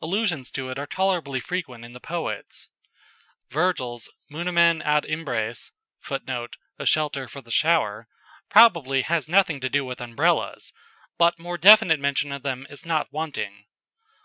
Allusions to it are tolerably frequent in the poets. Virgil's "Munimen ad imbres" [Footnote: "A shelter for the shower."] probably has nothing to do with Umbrellas, but more definite mention of them is not wanting.